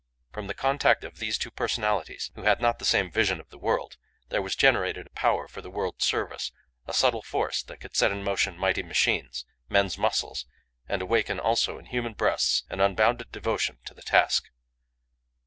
From the contact of these two personalities, who had not the same vision of the world, there was generated a power for the world's service a subtle force that could set in motion mighty machines, men's muscles, and awaken also in human breasts an unbounded devotion to the task.